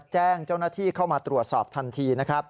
แจ้งเจ้าหน้าที่เข้ามาตรวจสอบทันทีนะครับ